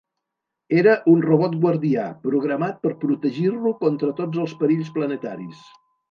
Era un robot guardià, programat per protegir-lo contra tots els perills planetaris.